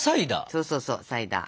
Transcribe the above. そうそうそうサイダー。